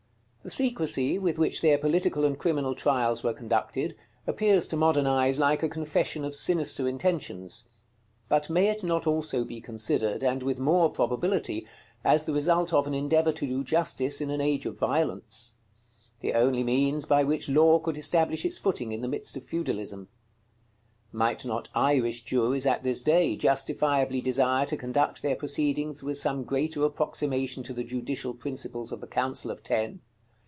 The secrecy with which their political and criminal trials were conducted, appears to modern eyes like a confession of sinister intentions; but may it not also be considered, and with more probability, as the result of an endeavor to do justice in an age of violence? the only means by which Law could establish its footing in the midst of feudalism. Might not Irish juries at this day justifiably desire to conduct their proceedings with some greater approximation to the judicial principles of the Council of Ten?